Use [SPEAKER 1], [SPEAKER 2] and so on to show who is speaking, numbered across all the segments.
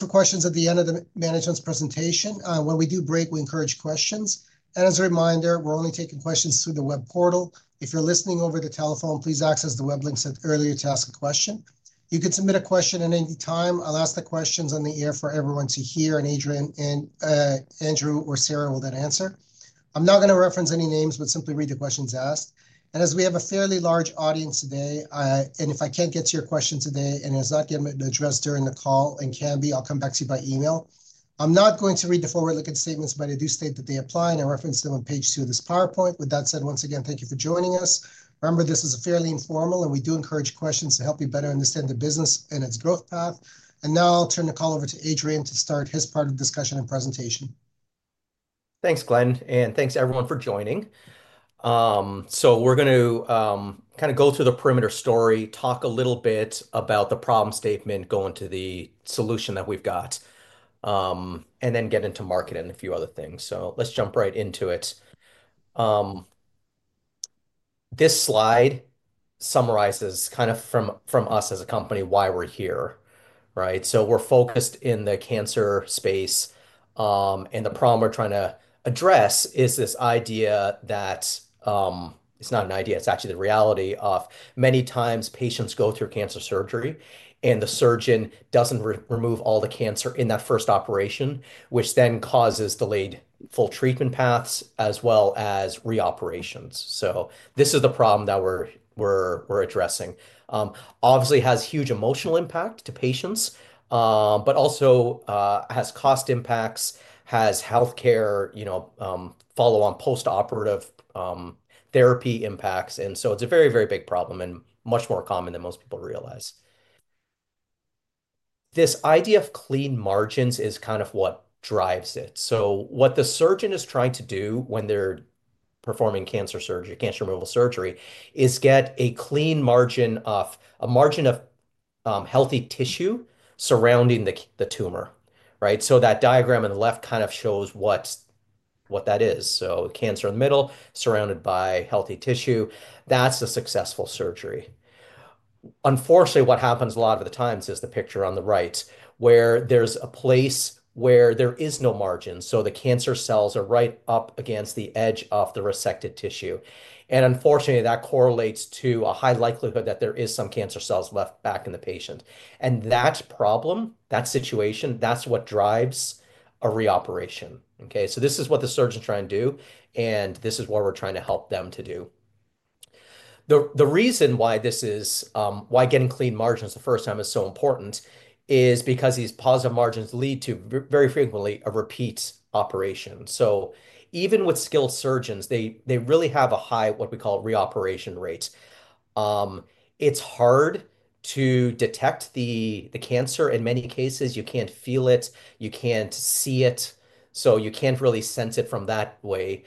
[SPEAKER 1] For questions at the end of the management's presentation. When we do break, we encourage questions. As a reminder, we are only taking questions through the web portal. If you are listening over the telephone, please access the web links mentioned earlier to ask a question. You can submit a question at any time. I will ask the questions on the air for everyone to hear, and Adrian and Andrew or Sarah will then answer. I am not going to reference any names, but simply read the questions asked. As we have a fairly large audience today, if I cannot get to your question today and it is not getting addressed during the call and can be, I will come back to you by email. I am not going to read the forward-looking statements, but I do state that they apply and I reference them on page two of this PowerPoint. With that said, once again, thank you for joining us. Remember, this is fairly informal, and we do encourage questions to help you better understand the business and its growth path. Now I'll turn the call over to Adrian to start his part of the discussion and presentation.
[SPEAKER 2] Thanks, Glen, and thanks everyone for joining. We're going to kind of go through the Perimeter story, talk a little bit about the problem statement, go into the solution that we've got, and then get into market and a few other things. Let's jump right into it. This slide summarizes kind of from us as a company why we're here, right? We're focused in the cancer space. The problem we're trying to address is this idea that it's not an idea, it's actually the reality of many times patients go through cancer surgery and the surgeon doesn't remove all the cancer in that first operation, which then causes delayed full treatment paths as well as re-operations. This is the problem that we're addressing. Obviously, it has huge emotional impact to patients, but also has cost impacts, has healthcare follow-on post-operative therapy impacts. It's a very, very big problem and much more common than most people realize. This idea of clean margins is kind of what drives it. What the surgeon is trying to do when they're performing cancer removal surgery is get a clean margin, a margin of healthy tissue surrounding the tumor, right? That diagram on the left kind of shows what that is. Cancer in the middle surrounded by healthy tissue, that's a successful surgery. Unfortunately, what happens a lot of the time is the picture on the right where there's a place where there is no margin. The cancer cells are right up against the edge of the resected tissue. Unfortunately, that correlates to a high likelihood that there are some cancer cells left back in the patient. That problem, that situation, that's what drives a re-operation. Okay? This is what the surgeons try and do, and this is what we're trying to help them to do. The reason why this is why getting clean margins the first time is so important is because these positive margins lead to very frequently a repeat operation. Even with skilled surgeons, they really have a high what we call re-operation rate. It's hard to detect the cancer. In many cases, you can't feel it, you can't see it, so you can't really sense it from that way.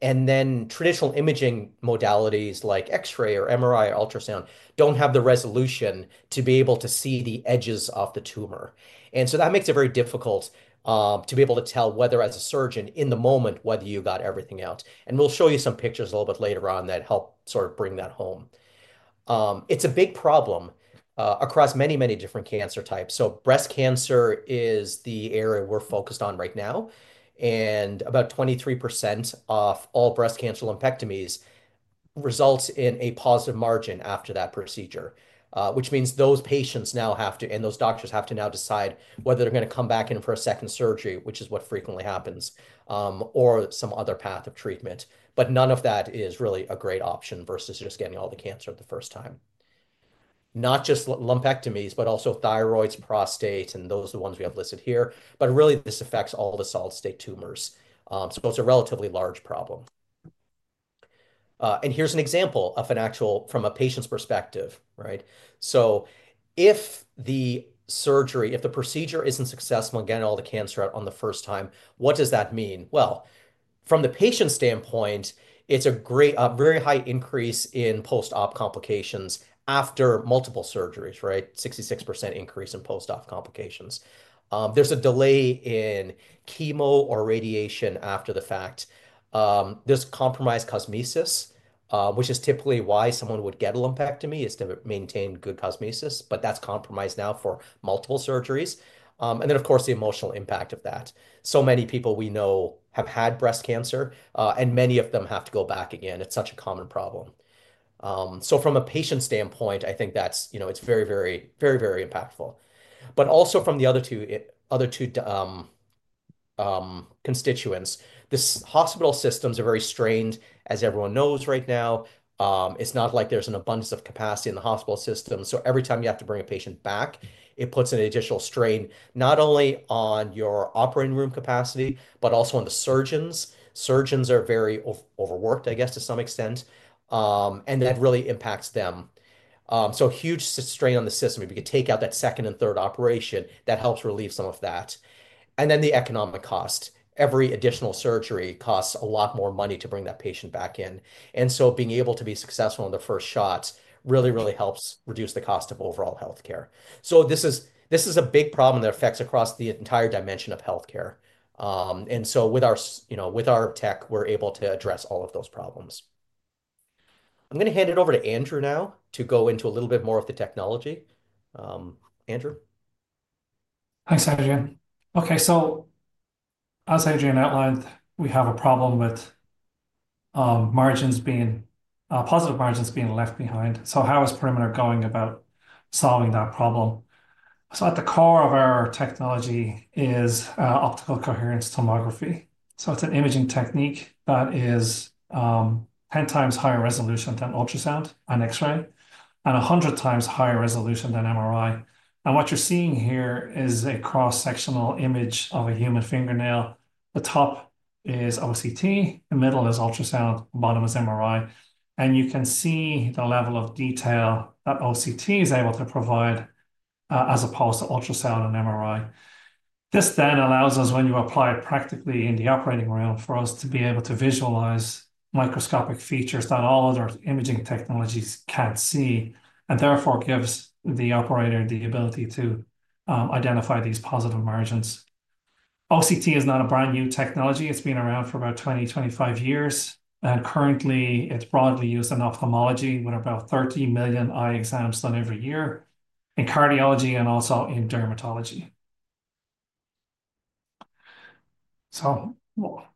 [SPEAKER 2] Traditional imaging modalities like X-ray or MRI or ultrasound don't have the resolution to be able to see the edges of the tumor. That makes it very difficult to be able to tell whether as a surgeon in the moment whether you got everything out. We'll show you some pictures a little bit later on that help sort of bring that home. It's a big problem across many, many different cancer types. Breast cancer is the area we're focused on right now. About 23% of all breast cancer lumpectomies results in a positive margin after that procedure, which means those patients now have to, and those doctors have to now decide whether they're going to come back in for a second surgery, which is what frequently happens, or some other path of treatment. None of that is really a great option versus just getting all the cancer the first time. Not just lumpectomies, but also thyroids, prostate, and those are the ones we have listed here, but really this affects all the solid-state tumors. It's a relatively large problem. Here's an example from a patient's perspective, right? If the procedure is not successful in getting all the cancer out on the first time, what does that mean? From the patient's standpoint, it is a very high increase in post-op complications after multiple surgeries, right? 66% increase in post-op complications. There is a delay in chemo or radiation after the fact. There is compromised cosmesis, which is typically why someone would get a lumpectomy, to maintain good cosmesis, but that is compromised now for multiple surgeries. Of course, there is the emotional impact of that. So many people we know have had breast cancer, and many of them have to go back again. It is such a common problem. From a patient standpoint, I think that is very, very, very, very impactful. Also, from the other two constituents, this hospital system is very strained, as everyone knows right now. It's not like there's an abundance of capacity in the hospital system. Every time you have to bring a patient back, it puts an additional strain not only on your operating room capacity, but also on the surgeons. Surgeons are very overworked, I guess, to some extent. That really impacts them. Huge strain on the system. If you could take out that second and third operation, that helps relieve some of that. The economic cost. Every additional surgery costs a lot more money to bring that patient back in. Being able to be successful on the first shot really, really helps reduce the cost of overall healthcare. This is a big problem that affects across the entire dimension of healthcare. With our tech, we're able to address all of those problems. I'm going to hand it over to Andrew now to go into a little bit more of the technology. Andrew.
[SPEAKER 3] Thanks, Adrian. Okay, as Adrian outlined, we have a problem with positive margins being left behind. How is Perimeter going about solving that problem? At the core of our technology is optical coherence tomography. It is an imaging technique that is 10 times higher resolution than ultrasound and X-ray and 100 times higher resolution than MRI. What you are seeing here is a cross-sectional image of a human fingernail. The top is OCT, the middle is ultrasound, and the bottom is MRI. You can see the level of detail that OCT is able to provide as opposed to ultrasound and MRI. This then allows us, when you apply it practically in the operating room, to be able to visualize microscopic features that all other imaging technologies cannot see and therefore gives the operator the ability to identify these positive margins. OCT is not a brand new technology. It's been around for about 20, 25 years. It's currently broadly used in ophthalmology with about 30 million eye exams done every year, in cardiology, and also in dermatology.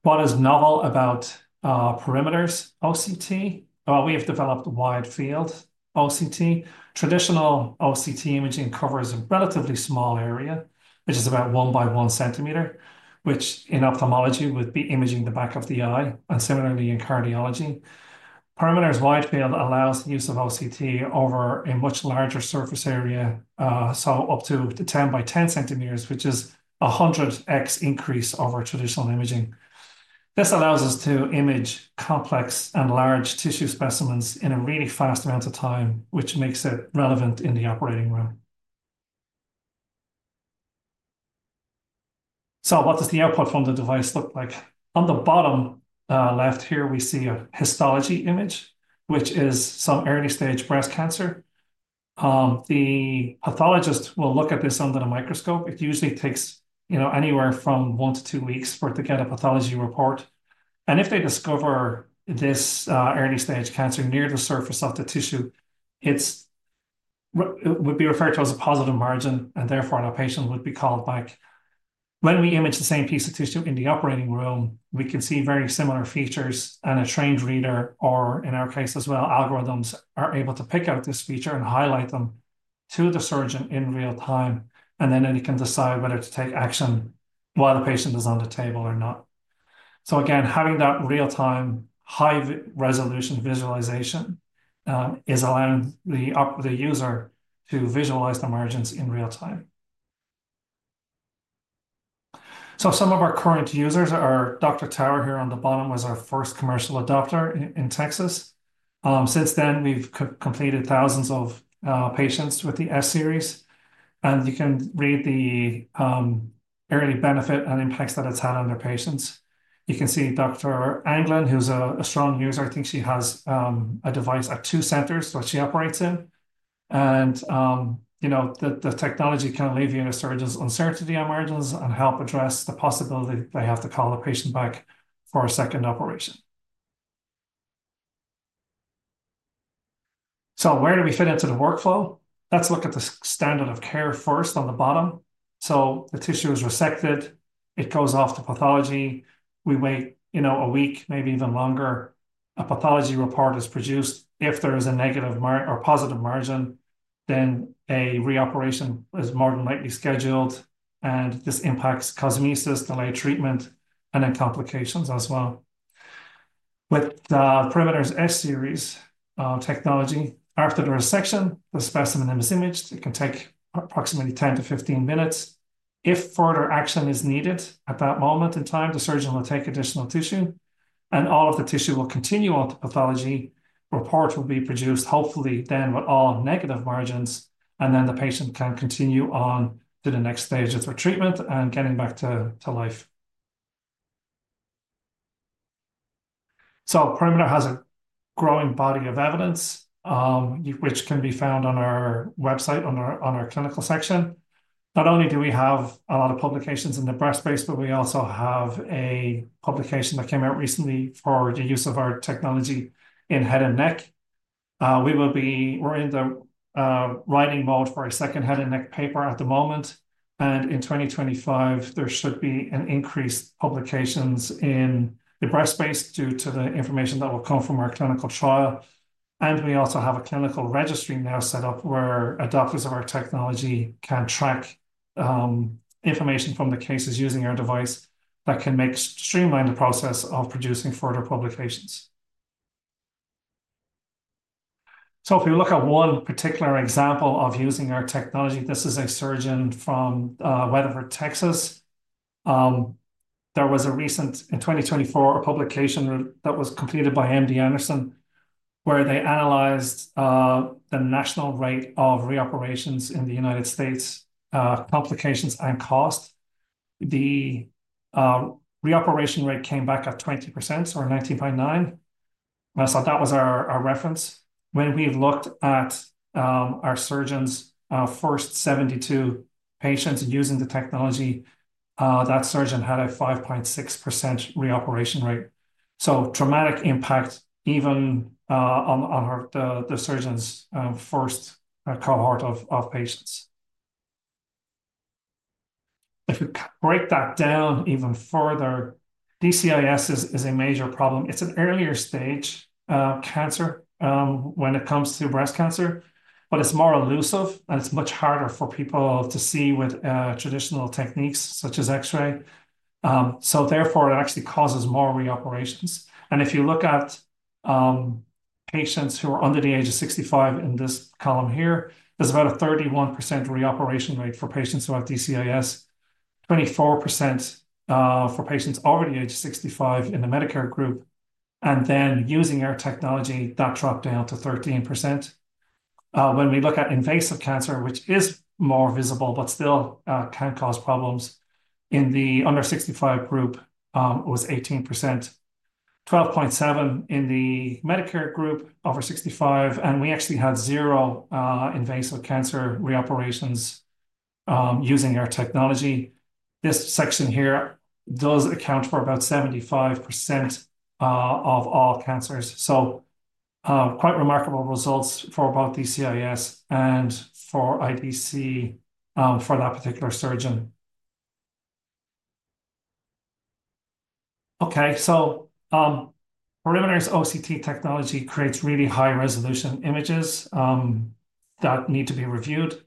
[SPEAKER 3] What is novel about Perimeter's OCT, we have developed wide-field OCT. Traditional OCT imaging covers a relatively small area, which is about 1 by 1 centimeter, which in ophthalmology would be imaging the back of the eye. Similarly, in cardiology, Perimeter's wide-field allows the use of OCT over a much larger surface area, up to 10 by 10 centimeters, which is a 100x increase over traditional imaging. This allows us to image complex and large tissue specimens in a really fast amount of time, which makes it relevant in the operating room. What does the output from the device look like? On the bottom left here, we see a histology image, which is some early-stage breast cancer. The pathologist will look at this under the microscope. It usually takes anywhere from one to two weeks for it to get a pathology report. If they discover this early-stage cancer near the surface of the tissue, it would be referred to as a positive margin, and therefore our patient would be called back. When we image the same piece of tissue in the operating room, we can see very similar features, and a trained reader, or in our case as well, algorithms are able to pick out this feature and highlight them to the surgeon in real time. They can decide whether to take action while the patient is on the table or not. Again, having that real-time, high-resolution visualization is allowing the user to visualize the margins in real time. Some of our current users are Dr. Tower here on the bottom, who was our first commercial adopter in Texas. Since then, we've completed thousands of patients with the S-Series. You can read the early benefit and impacts that it's had on their patients. You can see Dr. Anglin, who's a strong user. I think she has a device at two centers that she operates in. The technology can alleviate a surgeon's uncertainty on margins and help address the possibility that they have to call the patient back for a second operation. Where do we fit into the workflow? Let's look at the standard of care first on the bottom. The tissue is resected. It goes off to pathology. We wait a week, maybe even longer. A pathology report is produced. If there is a negative or positive margin, then a re-operation is more than likely scheduled. This impacts cosmesis, delayed treatment, and any complications as well. With Perimeter's S-Series technology, after the resection, the specimen is imaged. It can take approximately 10-15 minutes. If further action is needed at that moment in time, the surgeon will take additional tissue. All of the tissue will continue on the pathology. A report will be produced, hopefully, then with all negative margins. The patient can continue on to the next stage of their treatment and getting back to life. Perimeter has a growing body of evidence, which can be found on our website, on our clinical section. Not only do we have a lot of publications in the breast space, but we also have a publication that came out recently for the use of our technology in head and neck. We're in the writing mode for a second head and neck paper at the moment. In 2025, there should be an increase in publications in the breast space due to the information that will come from our clinical trial. We also have a clinical registry now set up where adopters of our technology can track information from the cases using our device that can streamline the process of producing further publications. If we look at one particular example of using our technology, this is a surgeon from Weatherford, Texas. There was a recent, in 2024, a publication that was completed by MD Anderson where they analyzed the national rate of re-operations in the United States, complications and cost. The re-operation rate came back at 20%, so 19.9%. That was our reference. When we looked at our surgeon's first 72 patients using the technology, that surgeon had a 5.6% re-operation rate. Traumatic impact even on the surgeon's first cohort of patients. If you break that down even further, DCIS is a major problem. It is an earlier stage cancer when it comes to breast cancer, but it is more elusive, and it is much harder for people to see with traditional techniques such as X-ray. Therefore, it actually causes more re-operations. If you look at patients who are under the age of 65 in this column here, there's about a 31% re-operation rate for patients who have DCIS, 24% for patients over the age of 65 in the Medicare group. Using our technology, that dropped down to 13%. When we look at invasive cancer, which is more visible but still can cause problems in the under-65 group, it was 18%, 12.7% in the Medicare group over 65. We actually had zero invasive cancer re-operations using our technology. This section here does account for about 75% of all cancers, quite remarkable results for both DCIS and for IDC for that particular surgeon. Perimeter's OCT technology creates really high-resolution images that need to be reviewed.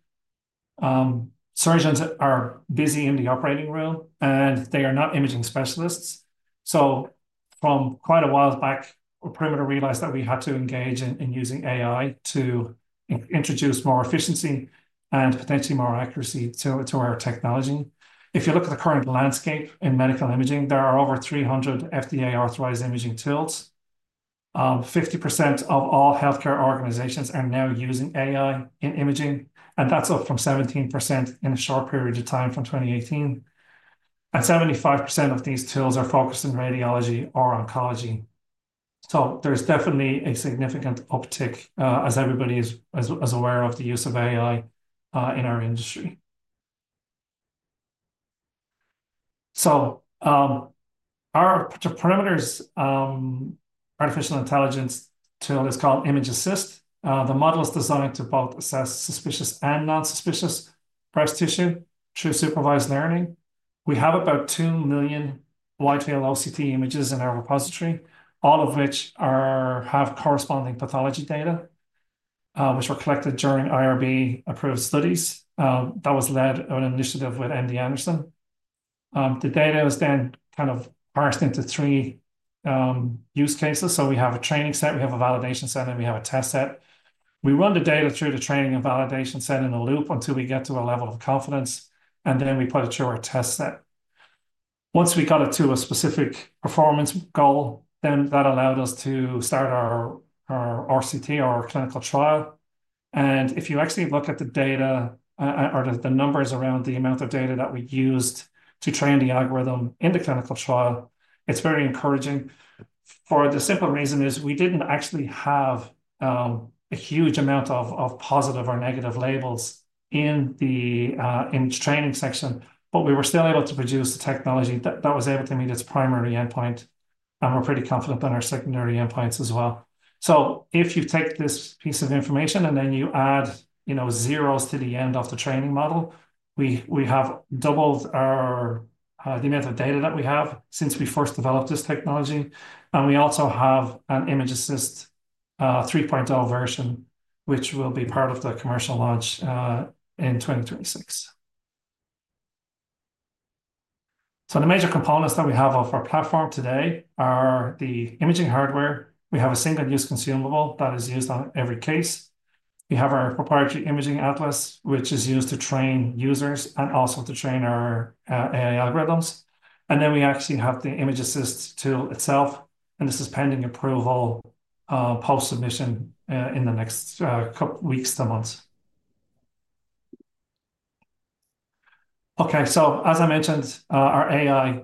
[SPEAKER 3] Surgeons are busy in the operating room, and they are not imaging specialists. From quite a while back, Perimeter realized that we had to engage in using AI to introduce more efficiency and potentially more accuracy to our technology. If you look at the current landscape in medical imaging, there are over 300 FDA-authorized imaging tools. 50% of all healthcare organizations are now using AI in imaging. That is up from 17% in a short period of time from 2018. 75% of these tools are focused in radiology or oncology. There is definitely a significant uptick, as everybody is aware of the use of AI in our industry. Our Perimeter's artificial intelligence tool is called ImageAssist. The model is designed to both assess suspicious and non-suspicious breast tissue through supervised learning. We have about 2 million wide-field OCT images in our repository, all of which have corresponding pathology data which were collected during IRB-approved studies that was led by an initiative with MD Anderson. The data is then kind of parsed into three use cases. We have a training set, we have a validation set, and we have a test set. We run the data through the training and validation set in a loop until we get to a level of confidence, and then we put it through our test set. Once we got it to a specific performance goal, then that allowed us to start our RCT, our clinical trial. If you actually look at the data or the numbers around the amount of data that we used to train the algorithm in the clinical trial, it's very encouraging for the simple reason is we didn't actually have a huge amount of positive or negative labels in the training section, but we were still able to produce the technology that was able to meet its primary endpoint. We're pretty confident on our secondary endpoints as well. If you take this piece of information and then you add zeros to the end of the training model, we have doubled the amount of data that we have since we first developed this technology. We also have an ImageAssist 3.0 version, which will be part of the commercial launch in 2026. The major components that we have of our platform today are the imaging hardware. We have a single-use consumable that is used on every case. We have our proprietary imaging atlas, which is used to train users and also to train our AI algorithms. We actually have the ImageAssist tool itself. This is pending approval post-submission in the next couple of weeks to months. Okay, as I mentioned, our AI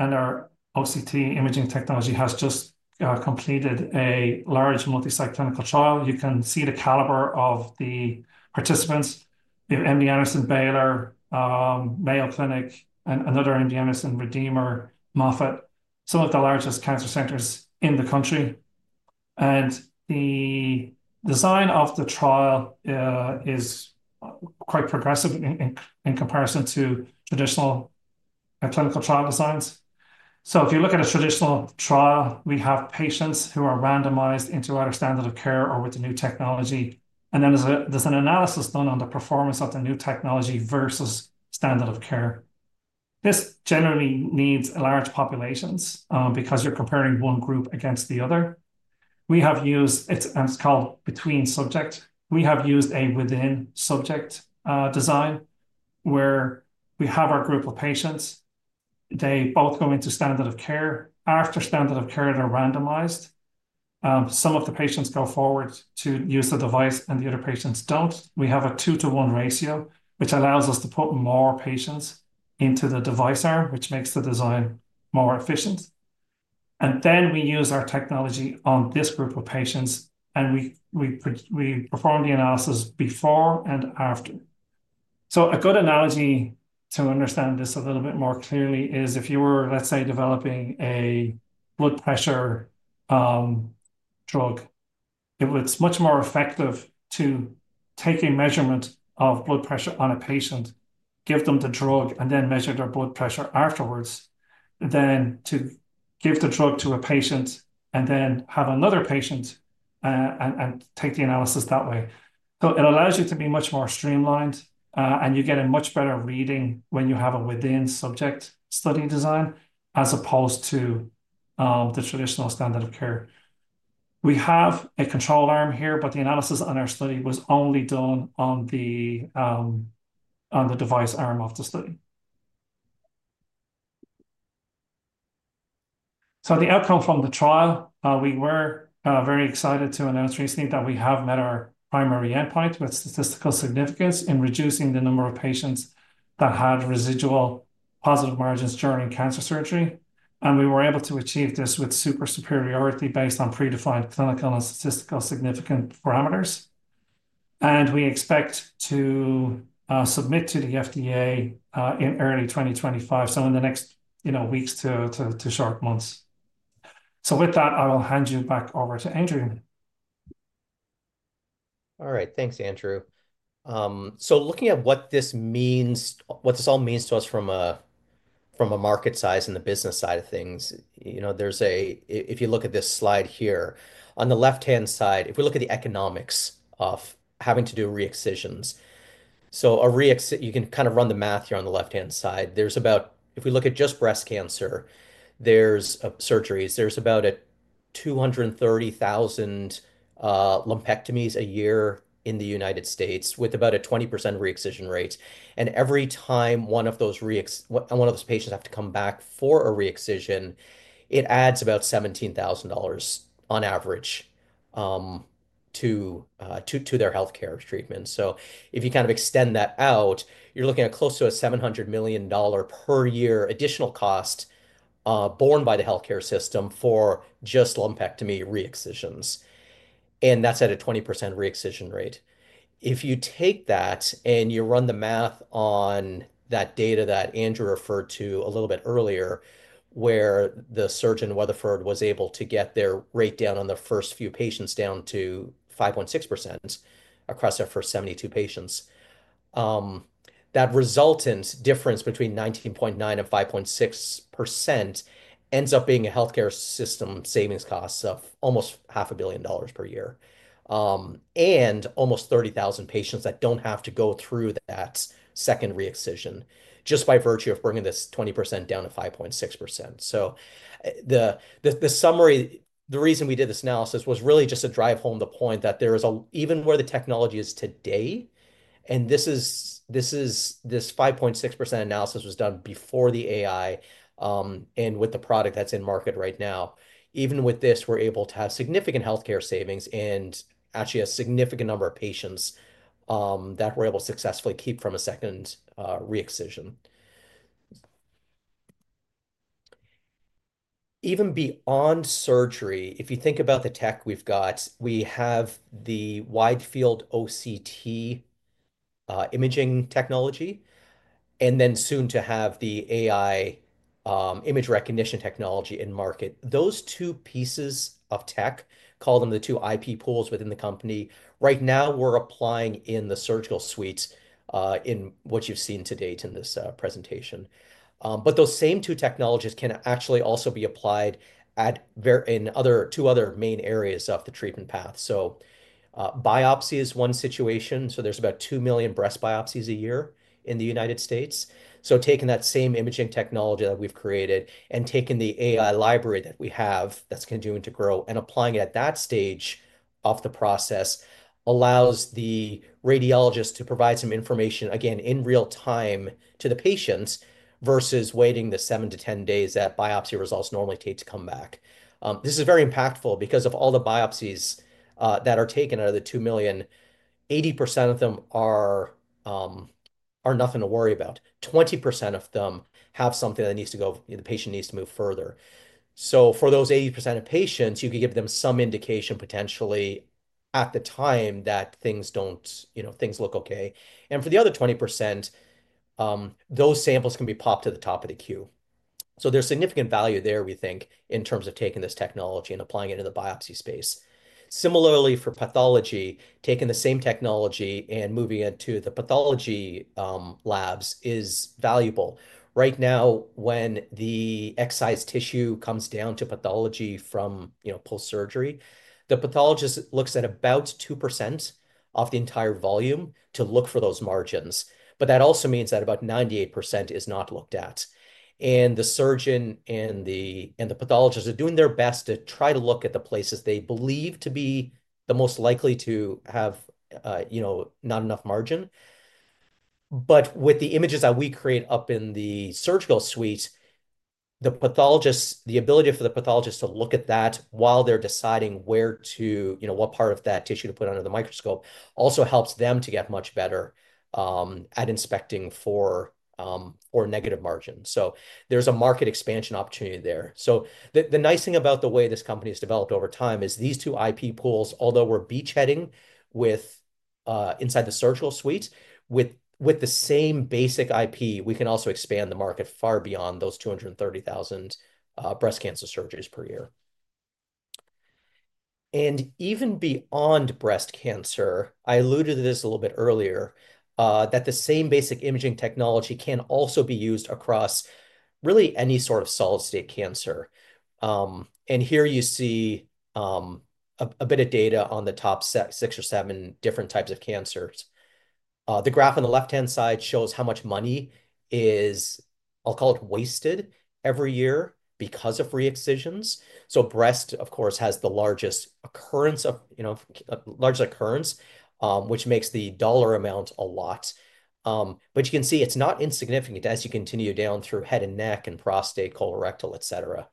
[SPEAKER 3] and our OCT imaging technology has just completed a large multi-site clinical trial. You can see the caliber of the participants. We have MD Anderson, Baylor, Mayo Clinic, another MD Anderson, Redeemer, Moffitt, some of the largest cancer centers in the country. The design of the trial is quite progressive in comparison to traditional clinical trial designs. If you look at a traditional trial, we have patients who are randomized into either standard of care or with the new technology. There is an analysis done on the performance of the new technology versus standard of care. This generally needs large populations because you are comparing one group against the other. We have used what is called between-subject. We have used a within-subject design where we have our group of patients. They both go into standard of care. After standard of care, they are randomized. Some of the patients go forward to use the device, and the other patients do not. We have a two-to-one ratio, which allows us to put more patients into the device arm, which makes the design more efficient. We use our technology on this group of patients, and we perform the analysis before and after. A good analogy to understand this a little bit more clearly is if you were, let's say, developing a blood pressure drug, it's much more effective to take a measurement of blood pressure on a patient, give them the drug, and then measure their blood pressure afterwards, than to give the drug to a patient and then have another patient and take the analysis that way. It allows you to be much more streamlined, and you get a much better reading when you have a within-subject study design as opposed to the traditional standard of care. We have a control arm here, but the analysis on our study was only done on the device arm of the study. The outcome from the trial, we were very excited to announce recently that we have met our primary endpoint with statistical significance in reducing the number of patients that had residual positive margins during cancer surgery. We were able to achieve this with superiority based on predefined clinical and statistical significant parameters. We expect to submit to the FDA in early 2025, so in the next weeks to short months. With that, I will hand you back over to Adrian.
[SPEAKER 2] All right, thanks, Andrew. Looking at what this means, what this all means to us from a market size and the business side of things, if you look at this slide here, on the left-hand side, if we look at the economics of having to do re-excisions, a re-excision, you can kind of run the math here on the left-hand side. There's about, if we look at just breast cancer, there's surgeries, there's about 230,000 lumpectomies a year in the United States with about a 20% re-excision rate. Every time one of those re-excisions, one of those patients have to come back for a re-excision, it adds about $17,000 on average to their healthcare treatment. If you kind of extend that out, you're looking at close to a $700 million per year additional cost borne by the healthcare system for just lumpectomy re-excisions. That's at a 20% re-excision rate. If you take that and you run the math on that data that Andrew referred to a little bit earlier, where the surgeon Weatherford was able to get their rate down on the first few patients down to 5.6% across their first 72 patients, that resultant difference between 19.9% and 5.6% ends up being a healthcare system savings cost of almost $500,000,000 per year. Almost 30,000 patients that do not have to go through that second re-excision just by virtue of bringing this 20% down to 5.6%. The summary, the reason we did this analysis was really just to drive home the point that there is, even where the technology is today, and this 5.6% analysis was done before the AI and with the product that is in market right now. Even with this, we're able to have significant healthcare savings and actually a significant number of patients that we're able to successfully keep from a second re-excision. Even beyond surgery, if you think about the tech we've got, we have the wide-field OCT imaging technology, and then soon to have the AI image recognition technology in market. Those two pieces of tech, call them the two IP pools within the company. Right now, we're applying in the surgical suites in what you've seen to date in this presentation. Those same two technologies can actually also be applied in two other main areas of the treatment path. Biopsy is one situation. There's about 2 million breast biopsies a year in the United States. Taking that same imaging technology that we've created and taking the AI library that we have that's continuing to grow and applying it at that stage of the process allows the radiologist to provide some information, again, in real time to the patients versus waiting the 7-10 days that biopsy results normally take to come back. This is very impactful because of all the biopsies that are taken out of the 2 million, 80% of them are nothing to worry about. 20% of them have something that needs to go. The patient needs to move further. For those 80% of patients, you can give them some indication potentially at the time that things don't look okay. For the other 20%, those samples can be popped to the top of the queue. There is significant value there, we think, in terms of taking this technology and applying it in the biopsy space. Similarly, for pathology, taking the same technology and moving it to the pathology labs is valuable. Right now, when the excised tissue comes down to pathology from post-surgery, the pathologist looks at about 2% of the entire volume to look for those margins. That also means that about 98% is not looked at. The surgeon and the pathologist are doing their best to try to look at the places they believe to be the most likely to have not enough margin. With the images that we create up in the surgical suites, the ability for the pathologist to look at that while they're deciding what part of that tissue to put under the microscope also helps them to get much better at inspecting for negative margins. There is a market expansion opportunity there. The nice thing about the way this company has developed over time is these two IP pools, although we're beachheading inside the surgical suite, with the same basic IP, we can also expand the market far beyond those 230,000 breast cancer surgeries per year. Even beyond breast cancer, I alluded to this a little bit earlier, that the same basic imaging technology can also be used across really any sort of solid-state cancer. Here you see a bit of data on the top six or seven different types of cancers. The graph on the left-hand side shows how much money is, I'll call it wasted, every year because of re-excisions. Breast, of course, has the largest occurrence, which makes the dollar amount a lot. You can see it's not insignificant as you continue down through head and neck and prostate, colorectal, etc.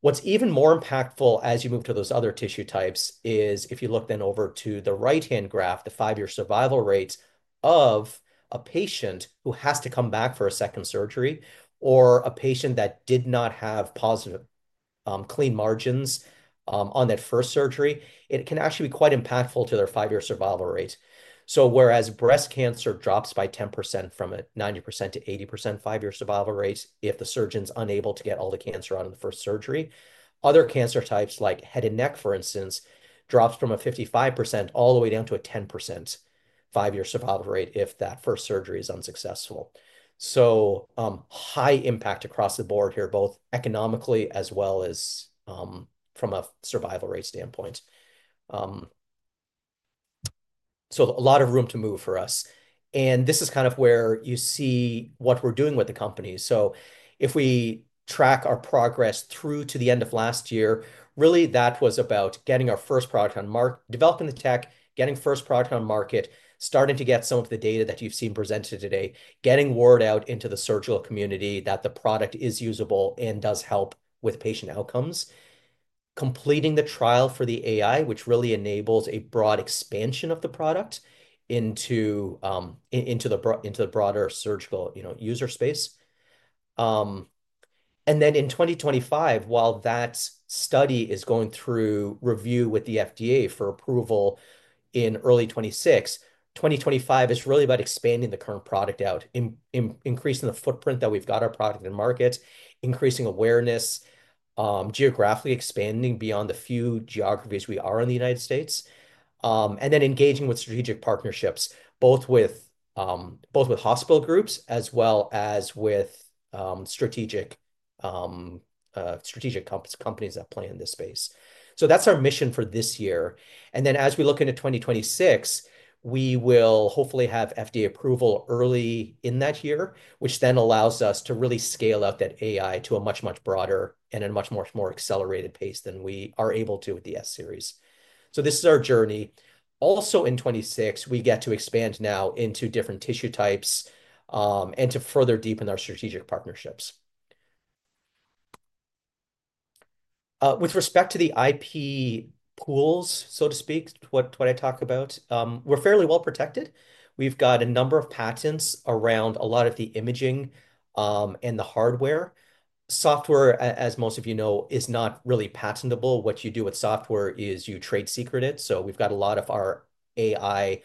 [SPEAKER 2] What's even more impactful as you move to those other tissue types is if you look then over to the right-hand graph, the five-year survival rates of a patient who has to come back for a second surgery or a patient that did not have positive clean margins on that first surgery, it can actually be quite impactful to their five-year survival rate. Whereas breast cancer drops by 10% from a 90% to 80% five-year survival rate if the surgeon's unable to get all the cancer out in the first surgery, other cancer types like head and neck, for instance, drops from a 55% all the way down to a 10% five-year survival rate if that first surgery is unsuccessful. High impact across the board here, both economically as well as from a survival rate standpoint. A lot of room to move for us. This is kind of where you see what we're doing with the company. If we track our progress through to the end of last year, really that was about getting our first product on market, developing the tech, getting first product on market, starting to get some of the data that you've seen presented today, getting word out into the surgical community that the product is usable and does help with patient outcomes, completing the trial for the AI, which really enables a broad expansion of the product into the broader surgical user space. In 2025, while that study is going through review with the FDA for approval in early 2026, 2025 is really about expanding the current product out, increasing the footprint that we've got our product in market, increasing awareness, geographically expanding beyond the few geographies we are in the United States, and then engaging with strategic partnerships, both with hospital groups as well as with strategic companies that play in this space. That is our mission for this year. As we look into 2026, we will hopefully have FDA approval early in that year, which then allows us to really scale out that AI to a much, much broader and a much, much more accelerated pace than we are able to with the S-Series. This is our journey. Also in 2026, we get to expand now into different tissue types and to further deepen our strategic partnerships. With respect to the IP pools, so to speak, what I talk about, we're fairly well protected. We've got a number of patents around a lot of the imaging and the hardware. Software, as most of you know, is not really patentable. What you do with software is you trade secret it. We've got a lot of our AI,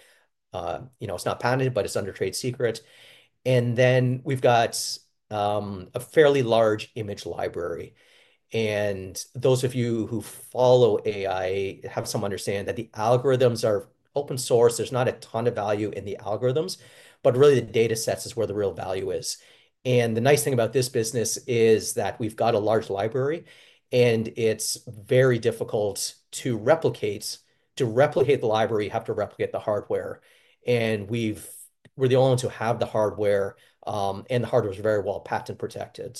[SPEAKER 2] it's not patented, but it's under trade secret. We've got a fairly large image library. Those of you who follow AI have some understanding that the algorithms are open source. There's not a ton of value in the algorithms, but really the data sets is where the real value is. The nice thing about this business is that we've got a large library, and it's very difficult to replicate. To replicate the library, you have to replicate the hardware. We're the only ones who have the hardware, and the hardware is very well patent protected.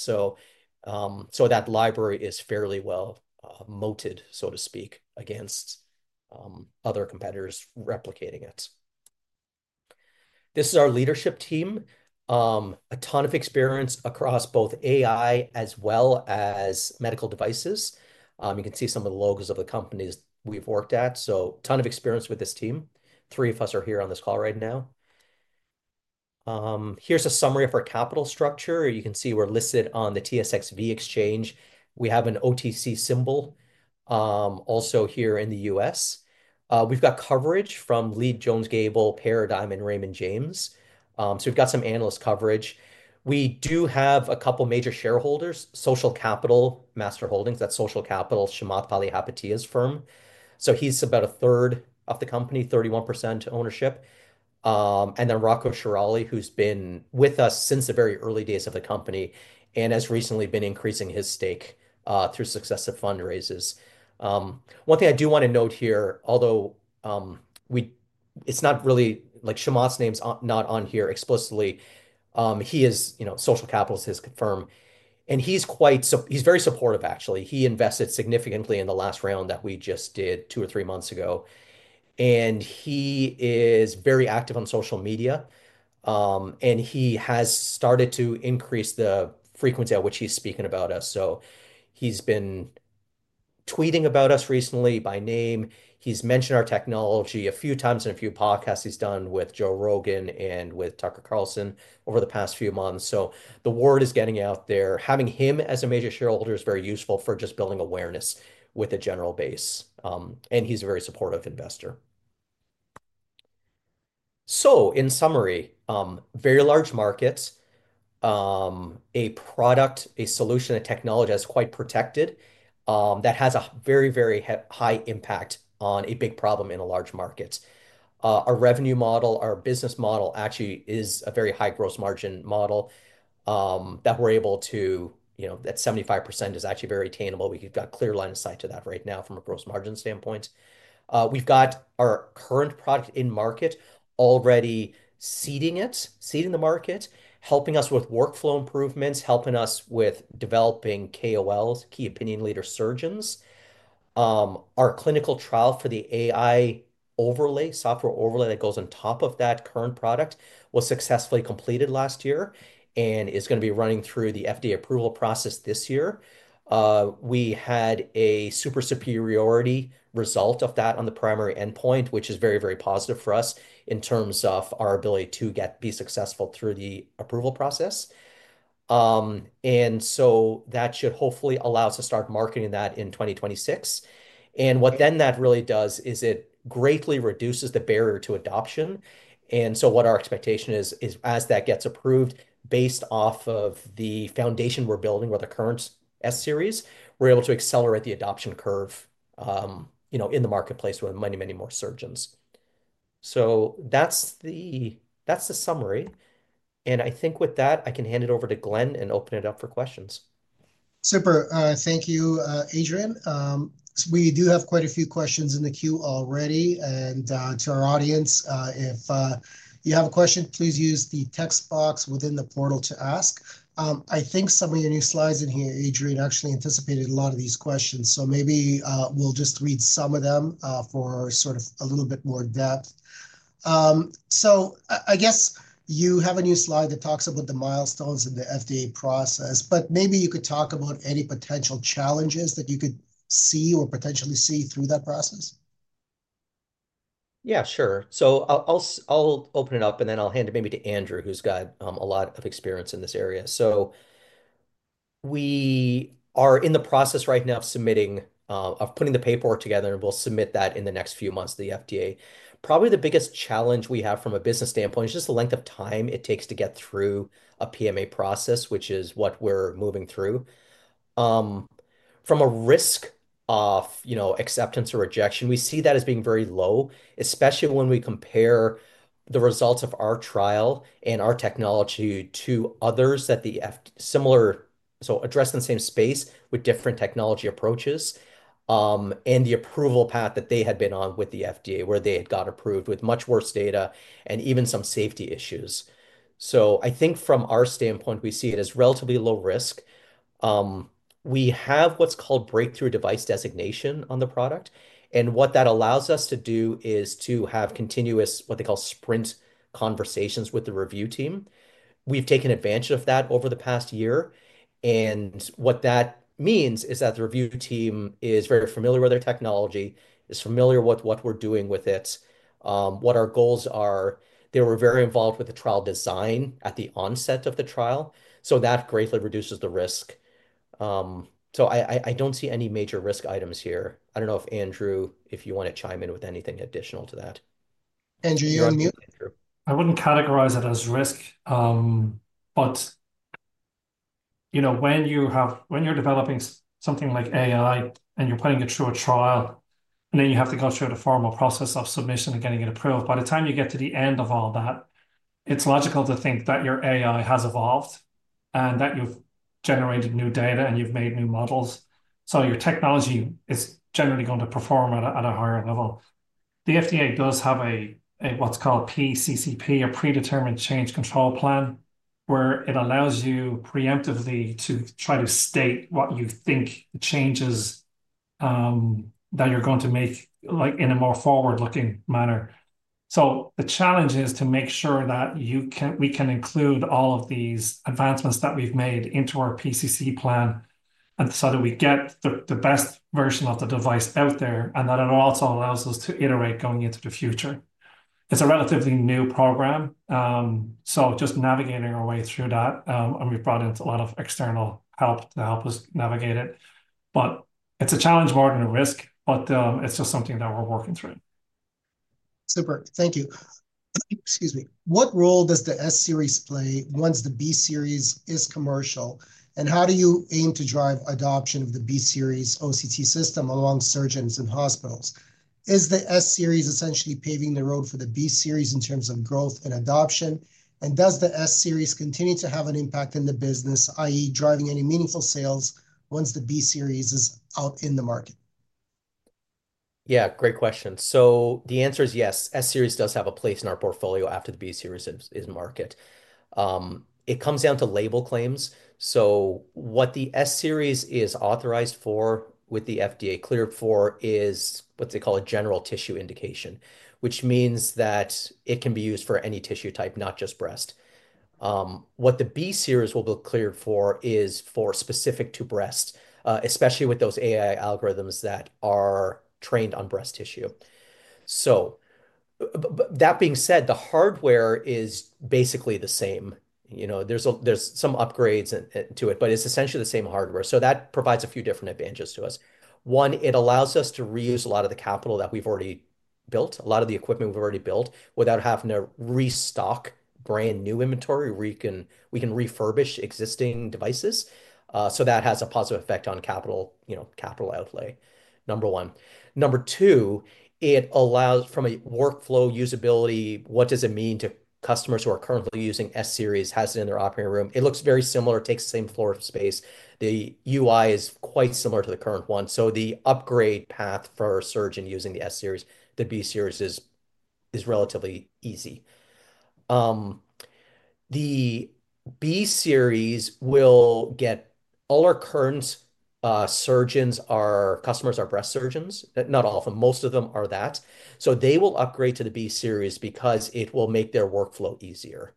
[SPEAKER 2] That library is fairly well moated, so to speak, against other competitors replicating it. This is our leadership team, a ton of experience across both AI as well as medical devices. You can see some of the logos of the companies we've worked at. A ton of experience with this team. Three of us are here on this call right now. Here's a summary of our capital structure. You can see we're listed on the TSX Venture Exchange. We have an OTC symbol also here in the U.S. We've got coverage from Leede Jones Gable, Paradigm, and Raymond James. We've got some analyst coverage. We do have a couple of major shareholders, Social Capital Master Holdings. That's Social Capital, Chamath Palihapitiya's firm. He's about a third of the company, 31% ownership. And then Rocco Fiorentino, who's been with us since the very early days of the company and has recently been increasing his stake through successive fundraisers. One thing I do want to note here, although it's not really like Chamath's name's not on here explicitly, he is Social Capital is his firm. He's very supportive, actually. He invested significantly in the last round that we just did two or three months ago. He is very active on social media. He has started to increase the frequency at which he's speaking about us. He's been tweeting about us recently by name. He's mentioned our technology a few times in a few podcasts he's done with Joe Rogan and with Tucker Carlson over the past few months. The word is getting out there. Having him as a major shareholder is very useful for just building awareness with a general base. He's a very supportive investor. In summary, very large markets, a product, a solution, a technology that's quite protected, that has a very, very high impact on a big problem in a large market. Our revenue model, our business model actually is a very high gross margin model that we're able to, that 75% is actually very attainable. We've got clear line of sight to that right now from a gross margin standpoint. We've got our current product in market already seeding it, seeding the market, helping us with workflow improvements, helping us with developing KOLs, key opinion leader surgeons. Our clinical trial for the AI overlay, software overlay that goes on top of that current product was successfully completed last year and is going to be running through the FDA approval process this year. We had a superiority result of that on the primary endpoint, which is very, very positive for us in terms of our ability to be successful through the approval process. That should hopefully allow us to start marketing that in 2026. What that really does is it greatly reduces the barrier to adoption. What our expectation is, is as that gets approved based off of the foundation we're building with the current S-Series, we're able to accelerate the adoption curve in the marketplace with many, many more surgeons. That is the summary. I think with that, I can hand it over to Glen and open it up for questions.
[SPEAKER 1] Super. Thank you, Adrian. We do have quite a few questions in the queue already. To our audience, if you have a question, please use the text box within the portal to ask. I think some of your new slides in here, Adrian, actually anticipated a lot of these questions. Maybe we will just read some of them for sort of a little bit more depth. I guess you have a new slide that talks about the milestones in the FDA process, but maybe you could talk about any potential challenges that you could see or potentially see through that process.
[SPEAKER 2] Yeah, sure. I'll open it up, and then I'll hand it maybe to Andrew, who's got a lot of experience in this area. We are in the process right now of submitting, of putting the paperwork together, and we'll submit that in the next few months to the FDA. Probably the biggest challenge we have from a business standpoint is just the length of time it takes to get through a PMA process, which is what we're moving through. From a risk of acceptance or rejection, we see that as being very low, especially when we compare the results of our trial and our technology to others that are similar, addressed in the same space with different technology approaches and the approval path that they had been on with the FDA where they had got approved with much worse data and even some safety issues. I think from our standpoint, we see it as relatively low risk. We have what's called breakthrough device designation on the product. What that allows us to do is to have continuous, what they call sprint conversations with the review team. We've taken advantage of that over the past year. What that means is that the review team is very familiar with their technology, is familiar with what we're doing with it, what our goals are. They were very involved with the trial design at the onset of the trial. That greatly reduces the risk. I don't see any major risk items here. I don't know if Andrew, if you want to chime in with anything additional to that.
[SPEAKER 1] Andrew, you're on mute.
[SPEAKER 3] I wouldn't categorize it as risk, but when you're developing something like AI and you're putting it through a trial, and then you have to go through the formal process of submission and getting it approved. By the time you get to the end of all that, it's logical to think that your AI has evolved and that you've generated new data and you've made new models. So your technology is generally going to perform at a higher level. The FDA does have a what's called PCCP, a predetermined change control plan, where it allows you preemptively to try to state what you think the changes that you're going to make in a more forward-looking manner. The challenge is to make sure that we can include all of these advancements that we've made into our PCC plan so that we get the best version of the device out there and that it also allows us to iterate going into the future. It's a relatively new program. Just navigating our way through that. We've brought in a lot of external help to help us navigate it. It's a challenge more than a risk, but it's just something that we're working through.
[SPEAKER 1] Super. Thank you. Excuse me. What role does the S-Series play once the B-Series is commercial? How do you aim to drive adoption of the B-Series OCT system along surgeons and hospitals? Is the S-Series essentially paving the road for the B-Series in terms of growth and adoption? Does the S-Series continue to have an impact in the business, i.e., driving any meaningful sales once the B-Series is out in the market?
[SPEAKER 2] Yeah, great question. The answer is yes. S-Series does have a place in our portfolio after the B-Series is in market. It comes down to label claims. What the S-Series is authorized for, what the FDA cleared for, is what they call a general tissue indication, which means that it can be used for any tissue type, not just breast. What the B-Series will be cleared for is for specific to breast, especially with those AI algorithms that are trained on breast tissue. That being said, the hardware is basically the same. There are some upgrades to it, but it is essentially the same hardware. That provides a few different advantages to us. One, it allows us to reuse a lot of the capital that we've already built, a lot of the equipment we've already built without having to restock brand new inventory where we can refurbish existing devices. That has a positive effect on capital outlay, number one. Number two, it allows from a workflow usability, what does it mean to customers who are currently using S-Series, has it in their operating room? It looks very similar, takes the same floor space. The UI is quite similar to the current one. The upgrade path for a surgeon using the S-Series, the B-Series is relatively easy. The B-Series will get all our current surgeons, our customers, our breast surgeons, not all of them, most of them are that. They will upgrade to the B-Series because it will make their workflow easier.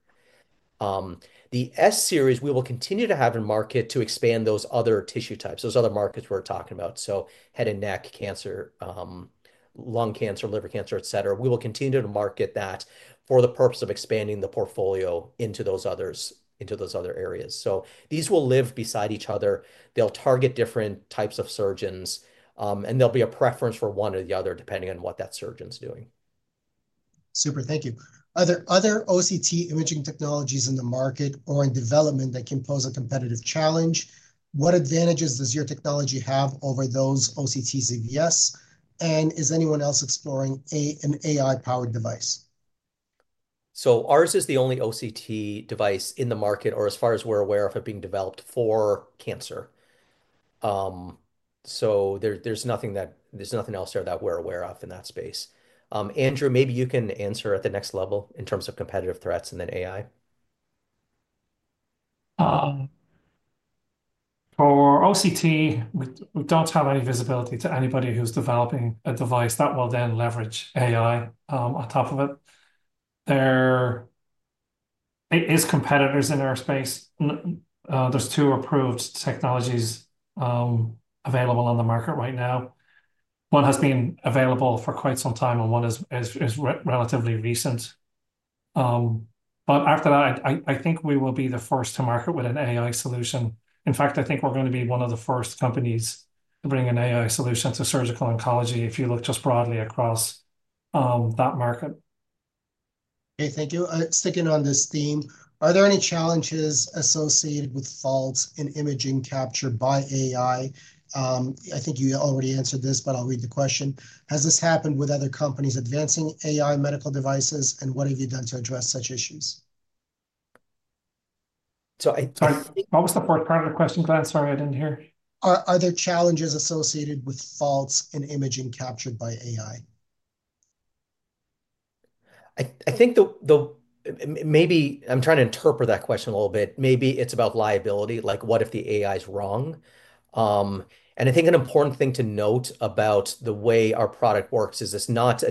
[SPEAKER 2] The S-Series we will continue to have in market to expand those other tissue types, those other markets we're talking about. Head and neck cancer, lung cancer, liver cancer, et cetera. We will continue to market that for the purpose of expanding the portfolio into those other areas. These will live beside each other. They'll target different types of surgeons, and there'll be a preference for one or the other depending on what that surgeon's doing.
[SPEAKER 1] Super. Thank you. Are there other OCT imaging technologies in the market or in development that can pose a competitive challenge? What advantages does your technology have over those OCTs if yes? Is anyone else exploring an AI-powered device?
[SPEAKER 2] Ours is the only OCT device in the market, or as far as we're aware of it being developed for cancer. There's nothing else there that we're aware of in that space. Andrew, maybe you can answer at the next level in terms of competitive threats and then AI.
[SPEAKER 3] For OCT, we don't have any visibility to anybody who's developing a device that will then leverage AI on top of it. There are competitors in our space. There are two approved technologies available on the market right now. One has been available for quite some time, and one is relatively recent. After that, I think we will be the first to market with an AI solution. In fact, I think we're going to be one of the first companies to bring an AI solution to surgical oncology if you look just broadly across that market.
[SPEAKER 1] Okay. Thank you. Sticking on this theme, are there any challenges associated with faults in imaging captured by AI? I think you already answered this, but I'll read the question. Has this happened with other companies advancing AI medical devices, and what have you done to address such issues?
[SPEAKER 3] Sorry, what was the fourth part of the question, Glen? Sorry, I didn't hear.
[SPEAKER 1] Are there challenges associated with faults in imaging captured by AI?
[SPEAKER 2] I think maybe I'm trying to interpret that question a little bit. Maybe it's about liability, like what if the AI is wrong? I think an important thing to note about the way our product works is it's not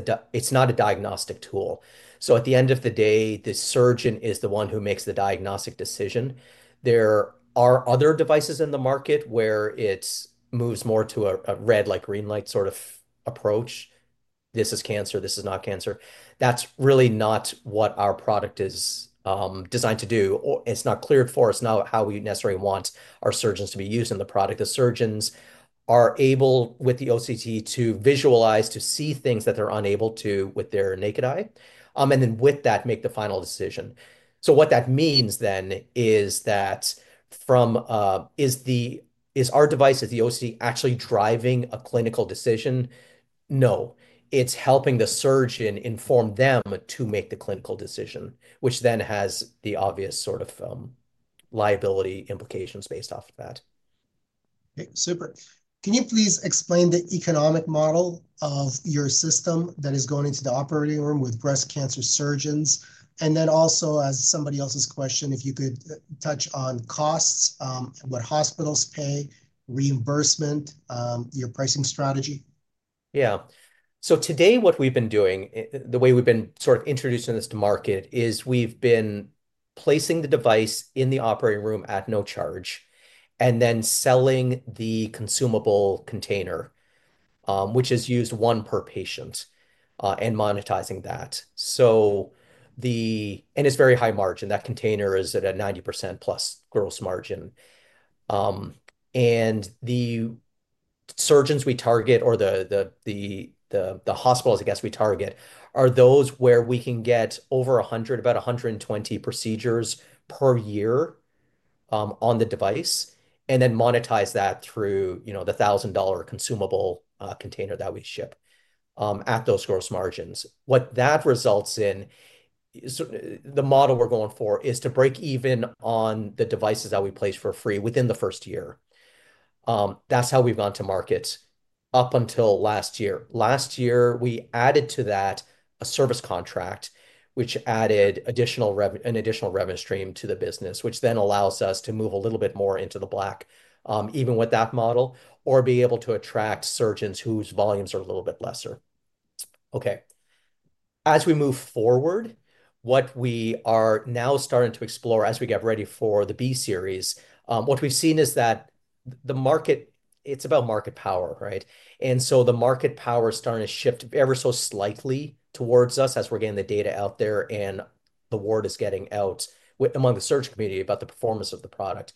[SPEAKER 2] a diagnostic tool. At the end of the day, the surgeon is the one who makes the diagnostic decision. There are other devices in the market where it moves more to a red-light green-light sort of approach. This is cancer. This is not cancer. That's really not what our product is designed to do. It's not cleared for it. It's not how we necessarily want our surgeons to be using the product. The surgeons are able with the OCT to visualize, to see things that they're unable to with their naked eye, and then with that, make the final decision. What that means then is that is our device, is the OCT actually driving a clinical decision? No. It's helping the surgeon inform them to make the clinical decision, which then has the obvious sort of liability implications based off of that.
[SPEAKER 1] Okay. Super. Can you please explain the economic model of your system that is going into the operating room with breast cancer surgeons? And then also, as somebody else's question, if you could touch on costs, what hospitals pay, reimbursement, your pricing strategy?
[SPEAKER 2] Yeah. Today, what we've been doing, the way we've been sort of introducing this to market, is we've been placing the device in the operating room at no charge and then selling the consumable container, which is used one per patient, and monetizing that. It is very high margin. That container is at a 90%+ gross margin. The surgeons we target, or the hospitals, I guess we target, are those where we can get over 100, about 120 procedures per year on the device, and then monetize that through the $1,000 consumable container that we ship at those gross margins. What that results in, the model we're going for is to break even on the devices that we place for free within the first year. That is how we've gone to market up until last year. Last year, we added to that a service contract, which added an additional revenue stream to the business, which then allows us to move a little bit more into the black, even with that model, or be able to attract surgeons whose volumes are a little bit lesser. Okay. As we move forward, what we are now starting to explore as we get ready for the B-Series, what we've seen is that the market, it's about market power, right? The market power is starting to shift ever so slightly towards us as we're getting the data out there and the word is getting out among the surgeon community about the performance of the product.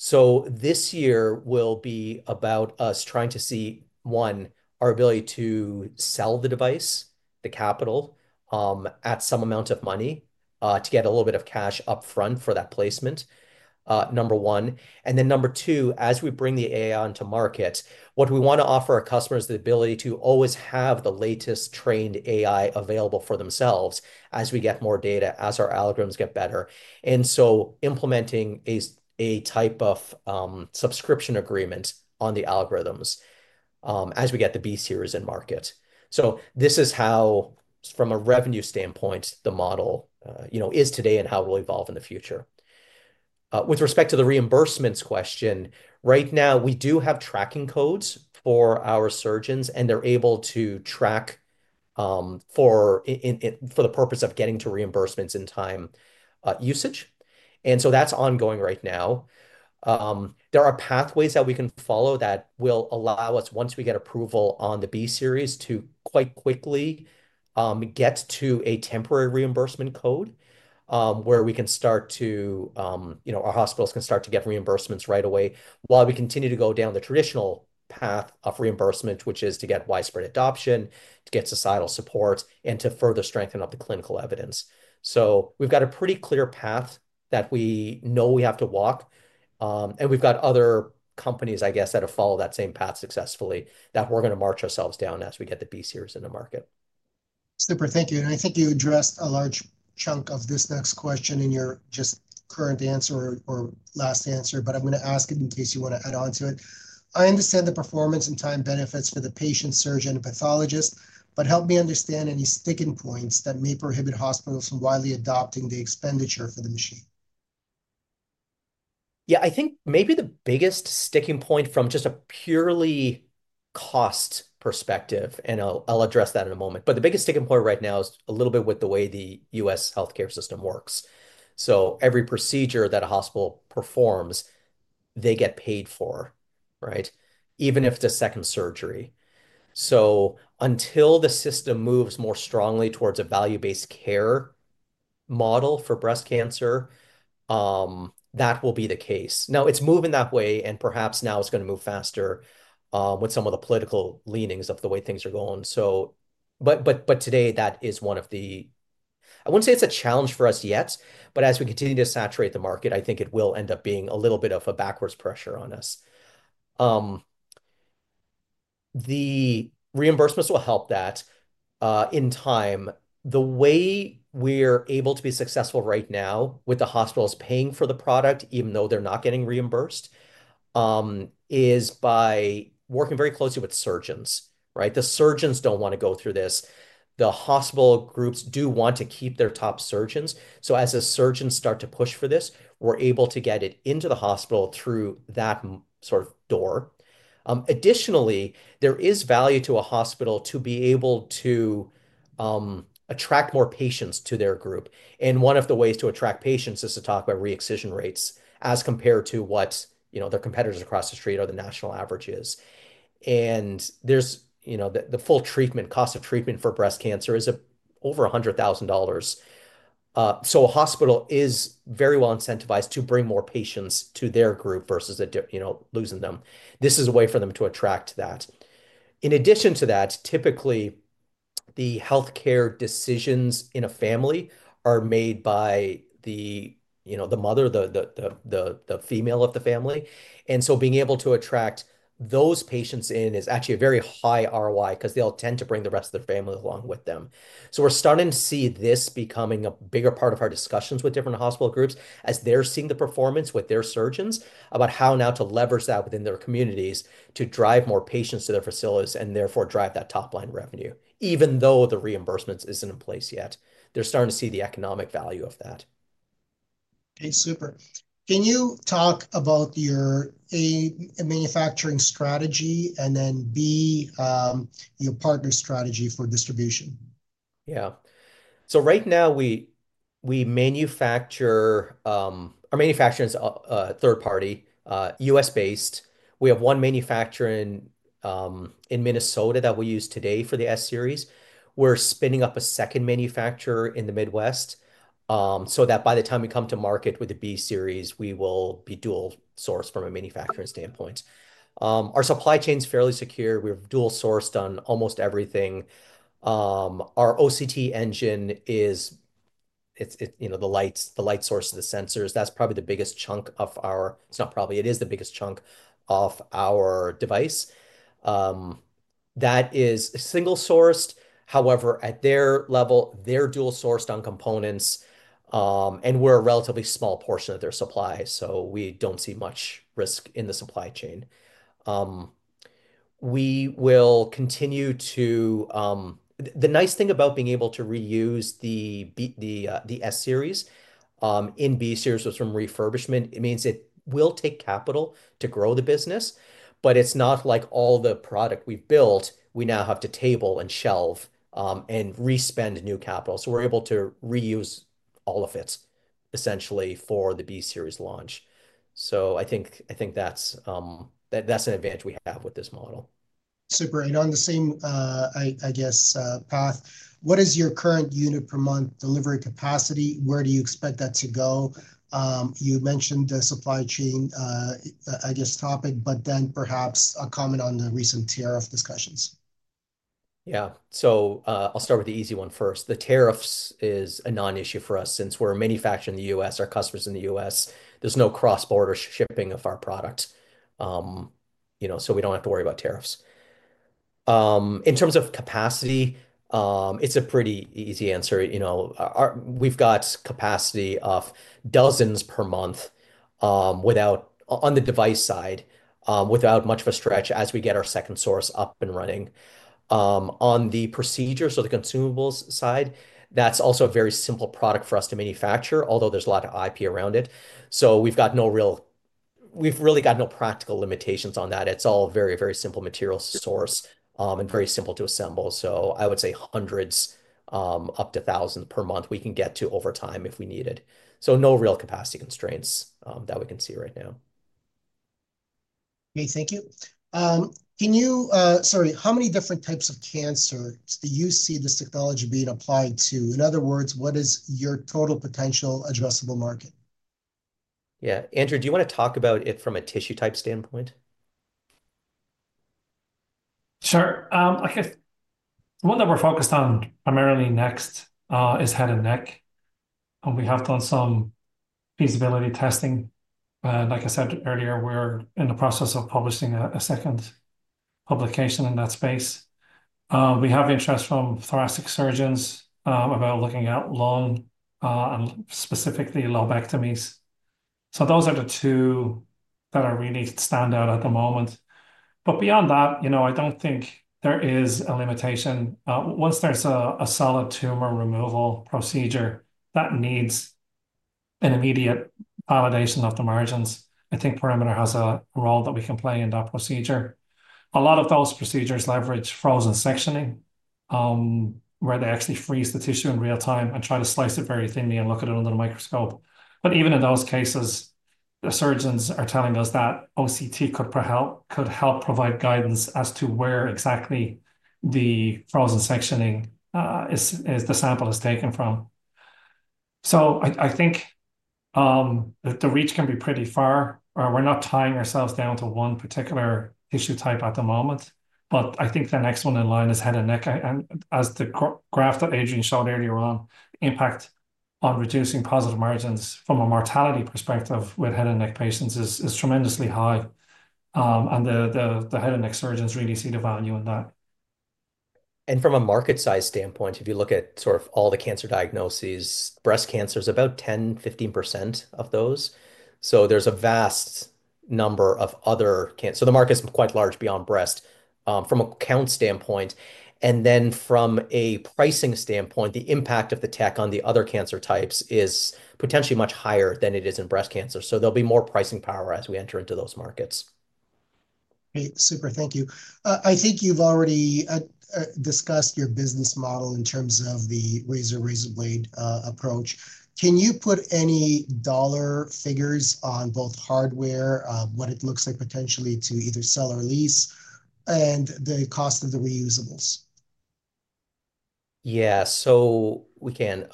[SPEAKER 2] This year will be about us trying to see, one, our ability to sell the device, the capital at some amount of money to get a little bit of cash upfront for that placement, number one. Number two, as we bring the AI onto market, what we want to offer our customers is the ability to always have the latest trained AI available for themselves as we get more data, as our algorithms get better, implementing a type of subscription agreement on the algorithms as we get the B-Series in market. This is how, from a revenue standpoint, the model is today and how it will evolve in the future. With respect to the reimbursements question, right now, we do have tracking codes for our surgeons, and they're able to track for the purpose of getting to reimbursements in time usage. That is ongoing right now. There are pathways that we can follow that will allow us, once we get approval on the B-Series, to quite quickly get to a temporary reimbursement code where our hospitals can start to get reimbursements right away while we continue to go down the traditional path of reimbursement, which is to get widespread adoption, to get societal support, and to further strengthen up the clinical evidence. We have a pretty clear path that we know we have to walk. We have other companies, I guess, that have followed that same path successfully that we are going to march ourselves down as we get the B-Series in the market.
[SPEAKER 1] Super. Thank you. I think you addressed a large chunk of this next question in your just current answer or last answer, but I'm going to ask it in case you want to add on to it. I understand the performance and time benefits for the patient, surgeon, and pathologist, but help me understand any sticking points that may prohibit hospitals from widely adopting the expenditure for the machine.
[SPEAKER 2] Yeah. I think maybe the biggest sticking point from just a purely cost perspective, and I'll address that in a moment, the biggest sticking point right now is a little bit with the way the U.S. healthcare system works. Every procedure that a hospital performs, they get paid for, right? Even if it's a second surgery. Until the system moves more strongly towards a value-based care model for breast cancer, that will be the case. It is moving that way, and perhaps now it's going to move faster with some of the political leanings of the way things are going. Today, that is one of the, I wouldn't say it's a challenge for us yet, but as we continue to saturate the market, I think it will end up being a little bit of a backwards pressure on us. The reimbursements will help that in time. The way we're able to be successful right now with the hospitals paying for the product, even though they're not getting reimbursed, is by working very closely with surgeons, right? The surgeons don't want to go through this. The hospital groups do want to keep their top surgeons. As the surgeons start to push for this, we're able to get it into the hospital through that sort of door. Additionally, there is value to a hospital to be able to attract more patients to their group. One of the ways to attract patients is to talk about re-excision rates as compared to what their competitors across the street or the national average is. The full treatment, cost of treatment for breast cancer is over $100,000. A hospital is very well incentivized to bring more patients to their group versus losing them. This is a way for them to attract that. In addition to that, typically, the healthcare decisions in a family are made by the mother, the female of the family. Being able to attract those patients in is actually a very high ROI because they'll tend to bring the rest of the family along with them. We are starting to see this becoming a bigger part of our discussions with different hospital groups as they are seeing the performance with their surgeons about how now to leverage that within their communities to drive more patients to their facilities and therefore drive that top-line revenue, even though the reimbursements are not in place yet. They are starting to see the economic value of that.
[SPEAKER 1] Okay. Super. Can you talk about your A, a manufacturing strategy, and then B, your partner strategy for distribution?
[SPEAKER 2] Yeah. Right now, we manufacture—our manufacturing is third-party, US-based. We have one manufacturer in Minnesota that we use today for the S-Series. We're spinning up a second manufacturer in the Midwest so that by the time we come to market with the B-Series, we will be dual-sourced from a manufacturing standpoint. Our supply chain is fairly secure. We have dual-sourced on almost everything. Our OCT engine is the light source of the sensors. That's probably the biggest chunk of our—it's not probably; it is the biggest chunk of our device. That is single-sourced. However, at their level, they're dual-sourced on components, and we're a relatively small portion of their supply. We don't see much risk in the supply chain. We will continue to—the nice thing about being able to reuse the S-Series in B-Series was from refurbishment. It means it will take capital to grow the business, but it's not like all the product we've built, we now have to table and shelf and re-spend new capital. We are able to reuse all of it, essentially, for the B-Series launch. I think that's an advantage we have with this model.
[SPEAKER 1] Super. On the same, I guess, path, what is your current unit-per-month delivery capacity? Where do you expect that to go? You mentioned the supply chain, I guess, topic, but then perhaps a comment on the recent tariff discussions.
[SPEAKER 2] Yeah. I'll start with the easy one first. The tariffs is a non-issue for us since we're manufacturing in the US, our customers in the US. There's no cross-border shipping of our product, so we don't have to worry about tariffs. In terms of capacity, it's a pretty easy answer. We've got capacity of dozens per month on the device side without much of a stretch as we get our second source up and running. On the procedures or the consumables side, that's also a very simple product for us to manufacture, although there's a lot of IP around it. We've really got no practical limitations on that. It's all very, very simple material source and very simple to assemble. I would say hundreds up to thousands per month we can get to over time if we need it. No real capacity constraints that we can see right now.
[SPEAKER 1] Okay. Thank you. Can you—sorry, how many different types of cancers do you see this technology being applied to? In other words, what is your total potential addressable market?
[SPEAKER 2] Yeah. Andrew, do you want to talk about it from a tissue type standpoint?
[SPEAKER 3] Sure. I guess the one that we're focused on primarily next is head and neck. We have done some feasibility testing. Like I said earlier, we're in the process of publishing a second publication in that space. We have interest from thoracic surgeons about looking at lung and specifically lobectomies. Those are the two that really stand out at the moment. Beyond that, I don't think there is a limitation. Once there's a solid tumor removal procedure that needs an immediate validation of the margins, I think Perimeter has a role that we can play in that procedure. A lot of those procedures leverage frozen sectioning where they actually freeze the tissue in real time and try to slice it very thinly and look at it under the microscope. Even in those cases, the surgeons are telling us that OCT could help provide guidance as to where exactly the frozen sectioning sample is taken from. I think the reach can be pretty far. We're not tying ourselves down to one particular tissue type at the moment, but I think the next one in line is head and neck. As the graph that Adrian showed earlier on, the impact on reducing positive margins from a mortality perspective with head and neck patients is tremendously high. The head and neck surgeons really see the value in that.
[SPEAKER 2] From a market size standpoint, if you look at sort of all the cancer diagnoses, breast cancer is about 10-15% of those. There's a vast number of other—so the market's quite large beyond breast from a count standpoint. From a pricing standpoint, the impact of the tech on the other cancer types is potentially much higher than it is in breast cancer. There will be more pricing power as we enter into those markets.
[SPEAKER 1] Okay. Super. Thank you. I think you've already discussed your business model in terms of the razor-razor blade approach. Can you put any dollar figures on both hardware, what it looks like potentially to either sell or lease, and the cost of the reusables?
[SPEAKER 2] Yeah. We can.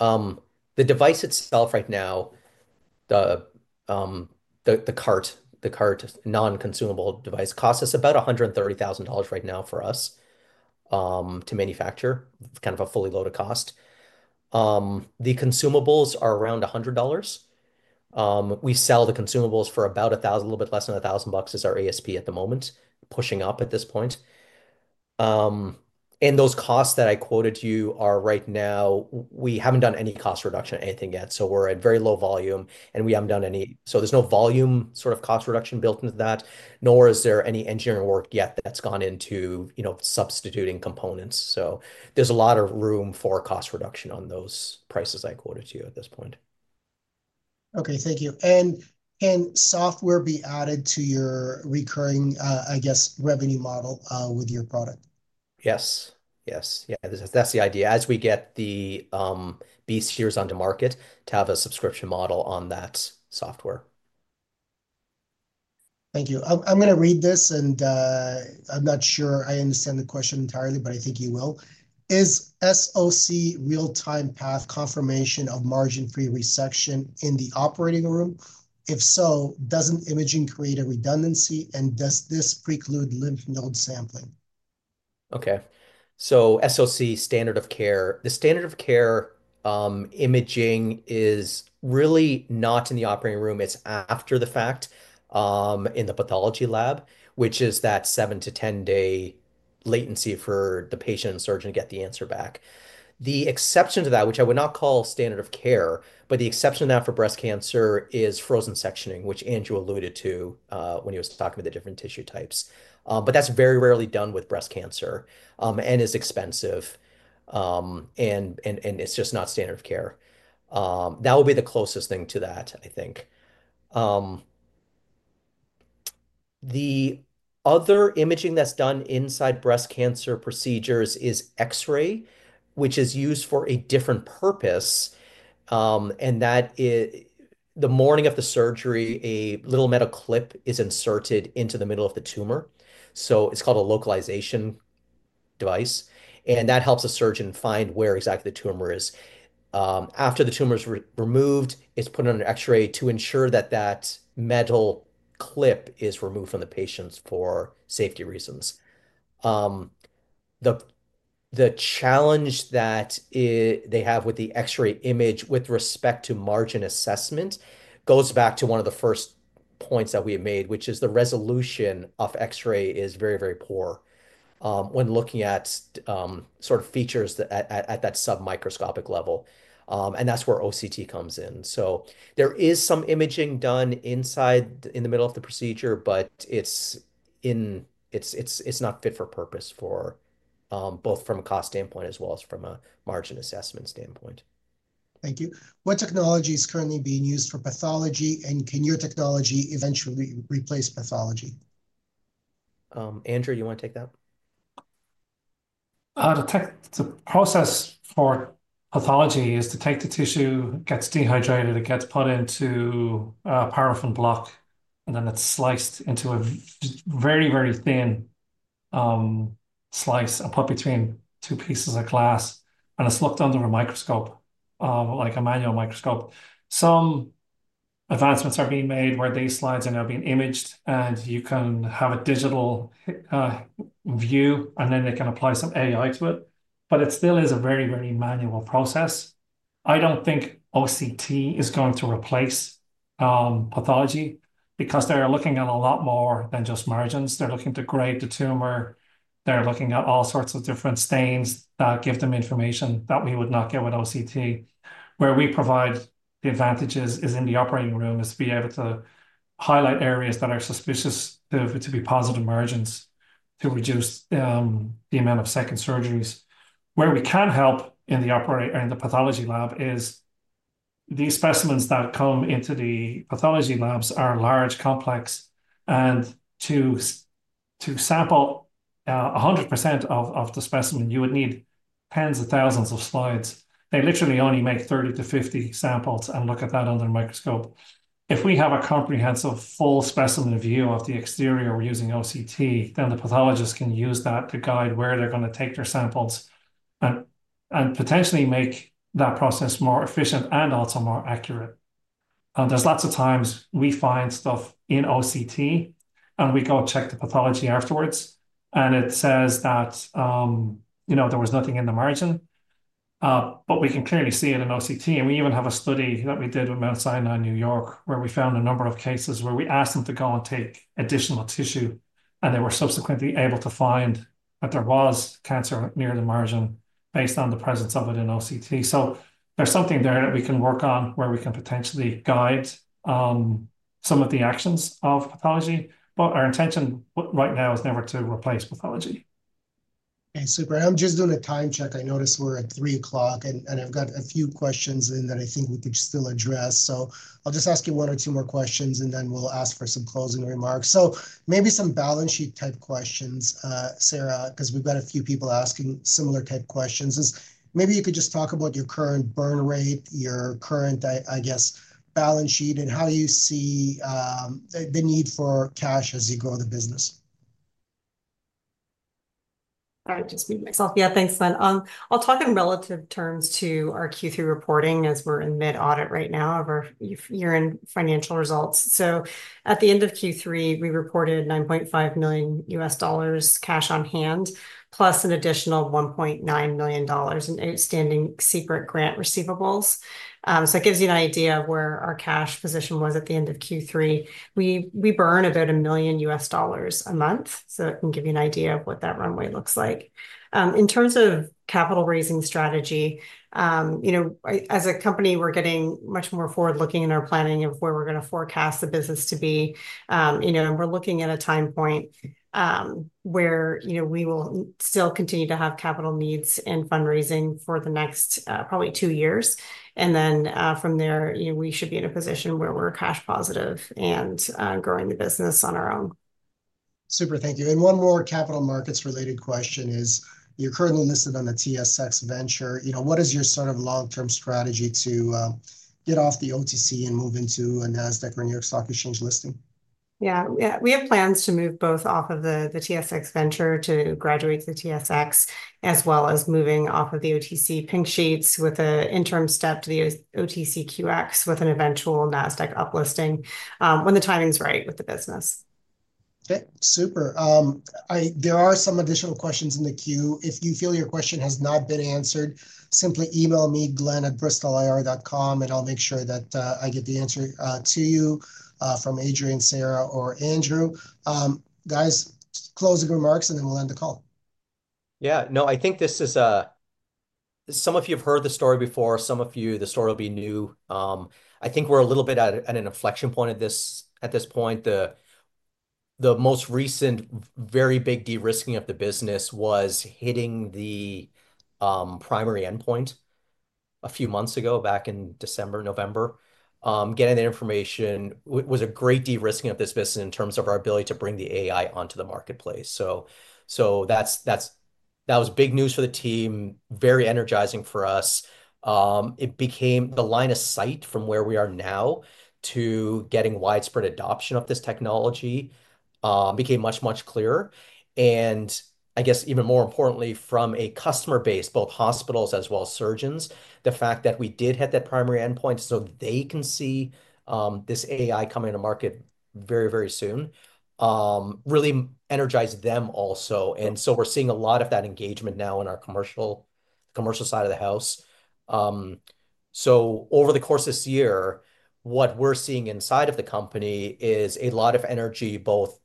[SPEAKER 2] The device itself right now, the cart, the cart non-consumable device costs us about $130,000 right now for us to manufacture, kind of a fully loaded cost. The consumables are around $100. We sell the consumables for about $1,000, a little bit less than $1,000 is our ASP at the moment, pushing up at this point. In those costs that I quoted you are right now, we have not done any cost reduction or anything yet. We are at very low volume, and we have not done any. There is no volume sort of cost reduction built into that, nor is there any engineering work yet that has gone into substituting components. There is a lot of room for cost reduction on those prices I quoted to you at this point.
[SPEAKER 1] Okay. Thank you. Can software be added to your recurring, I guess, revenue model with your product?
[SPEAKER 2] Yes. Yes. Yeah. That's the idea. As we get the B-Series onto market to have a subscription model on that software.
[SPEAKER 1] Thank you. I'm going to read this, and I'm not sure I understand the question entirely, but I think you will. Is SOC real-time path confirmation of margin-free resection in the operating room? If so, doesn't imaging create a redundancy, and does this preclude lymph node sampling?
[SPEAKER 2] Okay. SOC standard of care, the standard of care imaging is really not in the operating room. It's after the fact in the pathology lab, which is that 7-10 day latency for the patient and surgeon to get the answer back. The exception to that, which I would not call standard of care, but the exception to that for breast cancer is frozen sectioning, which Andrew alluded to when he was talking about the different tissue types. That's very rarely done with breast cancer and is expensive, and it's just not standard of care. That would be the closest thing to that, I think. The other imaging that's done inside breast cancer procedures is X-ray, which is used for a different purpose. That is the morning of the surgery, a little metal clip is inserted into the middle of the tumor. It's called a localization device. That helps a surgeon find where exactly the tumor is. After the tumor is removed, it's put on an X-ray to ensure that the metal clip is removed from the patients for safety reasons. The challenge that they have with the X-ray image with respect to margin assessment goes back to one of the first points that we have made, which is the resolution of X-ray is very, very poor when looking at sort of features at that submicroscopic level. That's where OCT comes in. There is some imaging done inside in the middle of the procedure, but it's not fit for purpose both from a cost standpoint as well as from a margin assessment standpoint.
[SPEAKER 1] Thank you. What technology is currently being used for pathology, and can your technology eventually replace pathology?
[SPEAKER 2] Andrew, do you want to take that?
[SPEAKER 3] The process for pathology is to take the tissue, it gets dehydrated, it gets put into a paraffin block, and then it's sliced into a very, very thin slice up between two pieces of glass. It is looked under a microscope, like a manual microscope. Some advancements are being made where these slides are now being imaged, and you can have a digital view, and then they can apply some AI to it. It still is a very, very manual process. I don't think OCT is going to replace pathology because they're looking at a lot more than just margins. They're looking to grade the tumor. They're looking at all sorts of different stains that give them information that we would not get with OCT. Where we provide the advantages is in the operating room is to be able to highlight areas that are suspicious to be positive margins to reduce the amount of second surgeries. Where we can help in the pathology lab is these specimens that come into the pathology labs are large, complex. To sample 100% of the specimen, you would need tens of thousands of slides. They literally only make 30-50 samples and look at that under a microscope. If we have a comprehensive full specimen view of the exterior using OCT, then the pathologist can use that to guide where they're going to take their samples and potentially make that process more efficient and also more accurate. There are lots of times we find stuff in OCT, and we go check the pathology afterwards, and it says that there was nothing in the margin. We can clearly see it in OCT. We even have a study that we did with Mount Sinai in New York where we found a number of cases where we asked them to go and take additional tissue, and they were subsequently able to find that there was cancer near the margin based on the presence of it in OCT. There is something there that we can work on where we can potentially guide some of the actions of pathology. Our intention right now is never to replace pathology.
[SPEAKER 1] Okay. Super. I'm just doing a time check. I noticed we're at 3:00 P.M., and I've got a few questions in that I think we could still address. I'll just ask you one or two more questions, and then we'll ask for some closing remarks. Maybe some balance sheet type questions, Sarah, because we've got a few people asking similar type questions. Maybe you could just talk about your current burn rate, your current, I guess, balance sheet, and how you see the need for cash as you grow the business.
[SPEAKER 4] I'll just mute myself. Yeah. Thanks, Glen. I'll talk in relative terms to our Q3 reporting as we're in mid-audit right now of our year-end financial results. At the end of Q3, we reported $9.5 million US dollars cash on hand, plus an additional $1.9 million in outstanding CPRIT grant receivables. It gives you an idea of where our cash position was at the end of Q3. We burn about $1 million US dollars a month. It can give you an idea of what that runway looks like. In terms of capital raising strategy, as a company, we're getting much more forward-looking in our planning of where we're going to forecast the business to be. We're looking at a time point where we will still continue to have capital needs and fundraising for the next probably two years. From there, we should be in a position where we're cash positive and growing the business on our own.
[SPEAKER 1] Super. Thank you. One more capital markets-related question is you're currently listed on the TSX Venture. What is your sort of long-term strategy to get off the OTC and move into a Nasdaq or New York Stock Exchange listing?
[SPEAKER 4] Yeah. Yeah. We have plans to move both off of the TSX Venture to graduate to the TSX as well as moving off of the OTC Pink Sheets with an interim step to the OTCQX with an eventual Nasdaq uplisting when the timing's right with the business.
[SPEAKER 1] Okay. Super. There are some additional questions in the queue. If you feel your question has not been answered, simply email me, glen@bristol.ir.com, and I'll make sure that I get the answer to you from Adrian, Sarah, or Andrew. Guys, closing remarks, and then we'll end the call.
[SPEAKER 2] Yeah. No, I think this is a, some of you have heard the story before. Some of you, the story will be new. I think we're a little bit at an inflection point at this point. The most recent very big de-risking of the business was hitting the primary endpoint a few months ago, back in December, November. Getting the information was a great de-risking of this business in terms of our ability to bring the AI onto the marketplace. That was big news for the team, very energizing for us. The line of sight from where we are now to getting widespread adoption of this technology became much, much clearer. I guess, even more importantly, from a customer base, both hospitals as well as surgeons, the fact that we did hit that primary endpoint so they can see this AI coming to market very, very soon really energized them also. We are seeing a lot of that engagement now in our commercial side of the house. Over the course of this year, what we are seeing inside of the company is a lot of energy both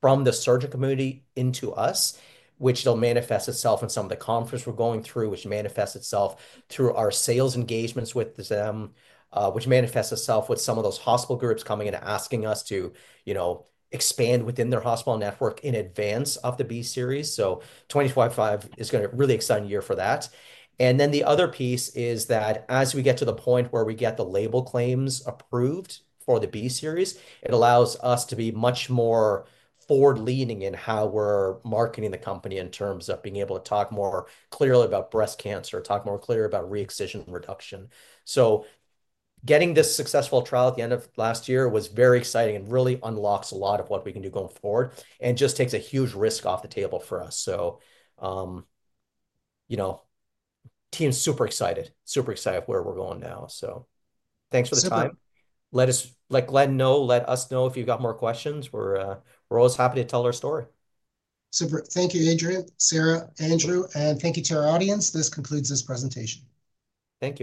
[SPEAKER 2] from the surgeon community into us, which will manifest itself in some of the conferences we are going through, which manifests itself through our sales engagements with them, which manifests itself with some of those hospital groups coming in and asking us to expand within their hospital network in advance of the B-Series. 2025 is going to be a really exciting year for that. The other piece is that as we get to the point where we get the label claims approved for the B-Series, it allows us to be much more forward-leaning in how we're marketing the company in terms of being able to talk more clearly about breast cancer, talk more clearly about re-excision reduction. Getting this successful trial at the end of last year was very exciting and really unlocks a lot of what we can do going forward and just takes a huge risk off the table for us. The team's super excited, super excited where we're going now. Thanks for the time. Let us know if you've got more questions. We're always happy to tell our story.
[SPEAKER 1] Super. Thank you, Adrian, Sarah, Andrew, and thank you to our audience. This concludes this presentation.
[SPEAKER 2] Thank you.